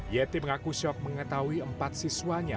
yeti mengaku syok mengetahui empat siswanya